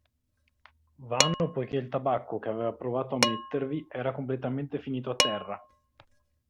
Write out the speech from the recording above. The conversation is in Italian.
Vano poiché il tabacco che aveva provato a mettervi era completamente finito a terra.